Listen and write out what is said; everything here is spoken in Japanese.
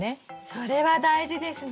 それは大事ですね。